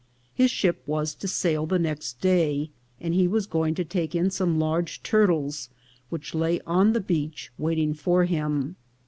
His ship was to sail the next day, and he was go ing to take in some large turtles which lay on the beach waiting for him.